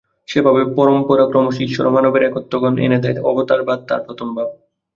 যে ভাব-পরম্পরা ক্রমশ ঈশ্বর ও মানবের একত্বজ্ঞান এনে দেয়, অবতারবাদ তার প্রথম ভাব।